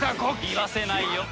言わせないよ。